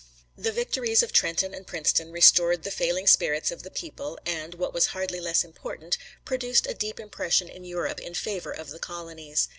The victories of Trenton and Princeton restored the failing spirits of the people, and, what was hardly less important, produced a deep impression in Europe in favor of the colonies.